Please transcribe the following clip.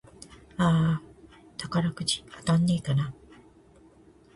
あーあ、宝くじ当たんねぇかな